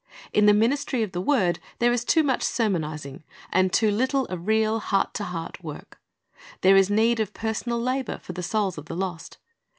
In the ministry of the word there is too much sermonizing, and too Httle of real heart to heart work. There is need of personal labor for the souls of the lost.